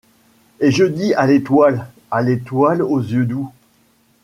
Et je dis à l'étoile, à. l'étoile aux yeux doux :